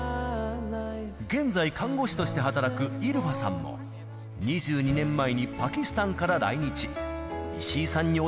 現在、看護師として働くイルファさんも、２２年前にパキスタンから来日。